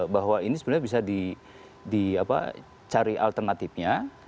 bahwa ini sebenarnya bisa dicari alternatifnya